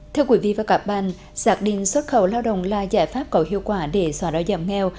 thưa quý vị và các bạn xác định xuất khẩu lao động là giải pháp có hiệu quả để xóa đói giảm nghèo